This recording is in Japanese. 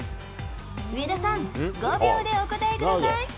上田さん、５秒でお答えください。